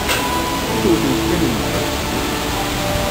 I tewtemt kan nneḥ?